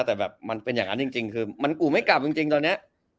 แต่แบบมันเป็นอย่างนั้นจริงคือมันกูไม่กลับจริงตอนนี้